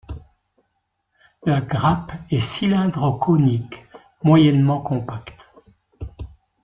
La grappe est cylindro-conique, moyennement compacte.